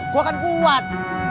gue akan buat